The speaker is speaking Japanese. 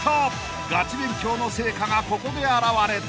［ガチ勉強の成果がここで表れた］